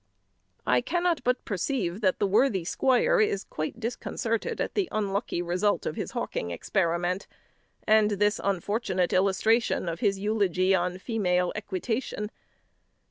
I cannot but perceive that the worthy squire is quite disconcerted at the unlucky result of his hawking experiment, and this unfortunate illustration of his eulogy on female equitation.